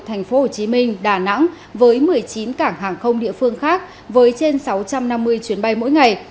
tp hcm đà nẵng với một mươi chín cảng hàng không địa phương khác với trên sáu trăm năm mươi chuyến bay mỗi ngày